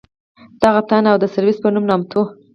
دغه تن د اوسیریس په نوم نامتوو.